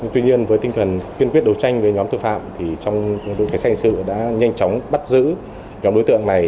tuy nhiên với tinh thần kiên quyết đấu tranh với nhóm tư phạm trong đối kết xã hội sự đã nhanh chóng bắt giữ nhóm đối tượng này